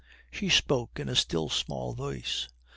She spoke in a still small voice.